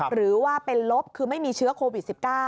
หรือว่าเป็นลบคือไม่มีเชื้อโควิด๑๙